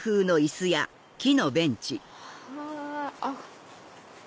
あっ。